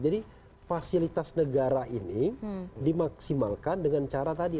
jadi fasilitas negara ini dimaksimalkan dengan cara tadi